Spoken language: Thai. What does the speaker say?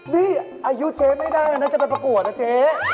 นี่อายุเจ๊ไม่ได้เลยนะจะไปประกวดนะเจ๊